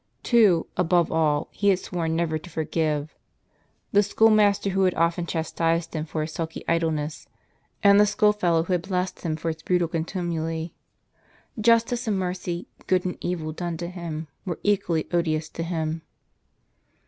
Two, above all, he had sworn never to forgive — the school master who had often chas tised him for his sulky idleness, and the school fellow who had blessed him for his brutal contumely. Justice and mercy, good and evil done to him, were equally odious to him.